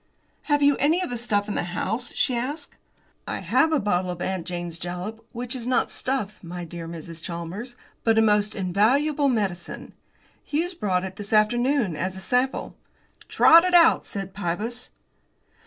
"Have you any of the stuff in the house?" she asked. "I have a bottle of 'Aunt Jane's Jalap,' which is not stuff, my dear Mrs. Chalmers, but a most invaluable medicine. Hughes brought it this afternoon as a sample." "Trot it out," said Pybus.